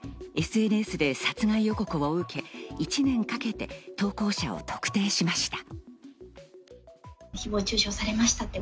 ＳＮＳで殺害予告を受け、１年かけて投稿者を特定しました。